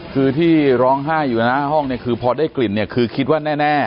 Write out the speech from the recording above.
คือที่ร้องไห้อยู่หน้าห้องเนี่ยคือพอได้กลิ่นเนี่ยคือคิดว่าแน่